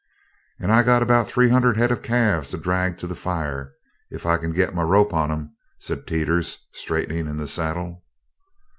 "And I got about three hundred head of calves to drag to the fire, if I kin git my rope on 'em," said Teeters, straightening in the saddle.